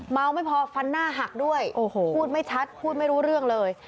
ไม่พอฟันหน้าหักด้วยโอ้โหพูดไม่ชัดพูดไม่รู้เรื่องเลย